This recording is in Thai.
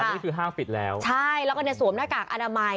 อันนี้คือห้างปิดแล้วใช่แล้วก็เนี่ยสวมหน้ากากอนามัย